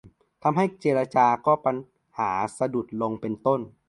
ทำให้การเจรจาก็ปัญหาสะดุดลง เป็นต้น